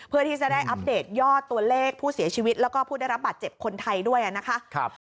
เพื่อที่จะได้อัปเดตยอดตัวเลขผู้เสียชีวิตแล้วก็ผู้ได้รับบาดเจ็บคนไทยด้วยนะคะ